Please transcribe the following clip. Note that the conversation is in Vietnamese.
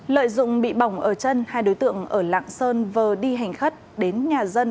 lợi dụng bị bỏng ở chân hai đối tượng ở lạng sơn vừa đi hành khất đến nhà dân